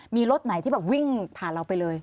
มีรถไหนที่แบบวิ่งผ่านเราไปเลย